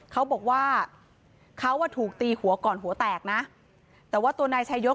เขาบอกว่าเขาอ่ะถูกตีหัวก่อนหัวแตกนะแต่ว่าตัวนายชายศ